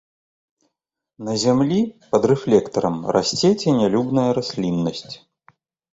На зямлі пад рэфлектарам расце ценялюбная расліннасць.